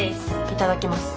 いただきます。